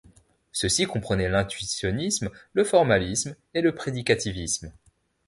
Ceux-ci comprenaient l'intuitionnisme, le formalisme et le prédicativisme.